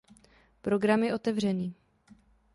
Program je otevřený.